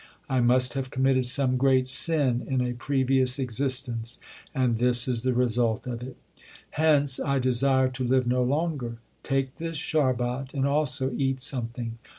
I must have committed some great sin in a previous existence, and this is the result of it. Hence I desire to live no longer. Take this sharbat and also eat something.